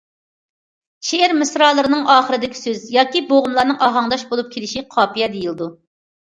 شېئىر مىسرالىرىنىڭ ئاخىرىدىكى سۆز ياكى بوغۇملارنىڭ ئاھاڭداش بولۇپ كېلىشى قاپىيە دېيىلىدۇ.